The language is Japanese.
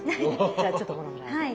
じゃあちょっとこのぐらい。